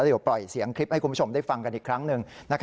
เดี๋ยวปล่อยเสียงคลิปให้คุณผู้ชมได้ฟังกันอีกครั้งหนึ่ง